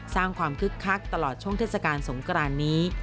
สร้างความคึกคักตลอดช่วงเทศกาลสงกรานนี้